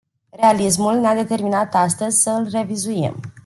Realismul ne-a determinat, astăzi, să îl revizuim.